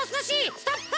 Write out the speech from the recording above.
ストップ！